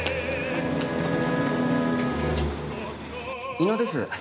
猪野です。